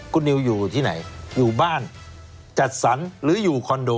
คุณนิวอยู่ที่ไหนอยู่บ้านจัดสรรหรืออยู่คอนโด